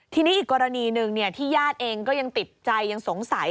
ทีนี้อีกกรณีหนึ่งที่ญาติเองก็ยังติดใจยังสงสัย